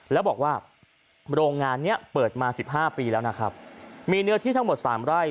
แล้วบอกว่าโรงงานเนี้ยเปิดมาสิบห้าปีแล้วนะครับมีเนื้อที่ทั้งหมดสามไร่